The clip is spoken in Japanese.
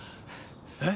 えっ？